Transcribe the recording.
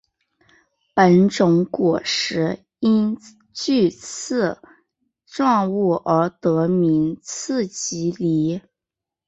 本种果实因具刺状物而得名刺蒺藜。